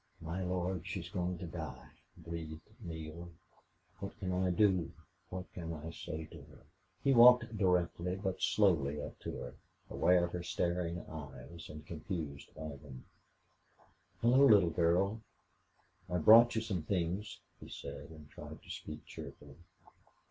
"My Lord! she's going to die!" breathed Neale. "What can I do what can I say to her?" He walked directly but slowly up to her, aware of her staring eyes, and confused by them. "Hello! little girl, I've brought you some things," he said, and tried to speak cheerfully.